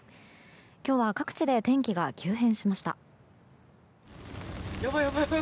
今日は各地で天気が急変しました。